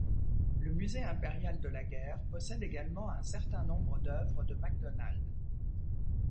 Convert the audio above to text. Le Musée Impérial de la Guerre possède également un certain nombre d'œuvres de Macdonald.